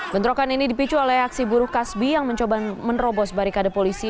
bentrokan ini dipicu oleh aksi buruh kasbi yang mencoba menerobos barikade polisi